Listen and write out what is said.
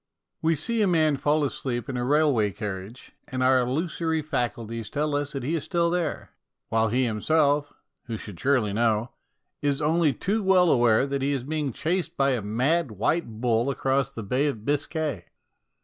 We see a man fall asleep in a railway carriage, and our illusory faculties tell us that he is still there, while he himself, who should surely know, is only too well aware that he is being chased by a mad, white bull across the Bay of Biscay.